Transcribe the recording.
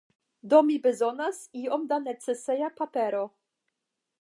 Do mi bezonas iom da neceseja papero.